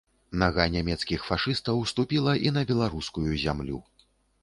Нага нямецкіх фашыстаў ступіла і на беларускую зямлю.